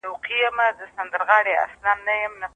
د حقونو درناوی د انسانیت نښه ده.